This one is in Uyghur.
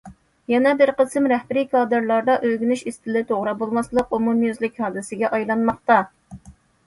يەنە بىر قىسىم رەھبىرىي كادىرلاردا ئۆگىنىش ئىستىلى توغرا بولماسلىق ئومۇميۈزلۈك ھادىسىگە ئايلانماقتا.